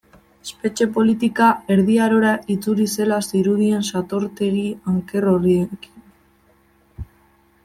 Espetxe politika Erdi Arora itzuli zela zirudien satortegi anker horiekin.